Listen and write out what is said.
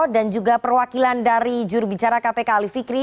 dan juga perwakilan dari jurubicara kpk alif fikri